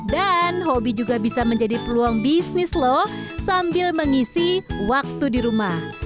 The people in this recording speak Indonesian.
dan hobi juga bisa menjadi peluang bisnis loh sambil mengisi waktu di rumah